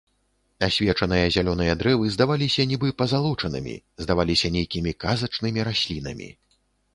Асвечаныя зялёныя дрэвы здаваліся нібы пазалочанымі, здаваліся нейкімі казачнымі раслінамі.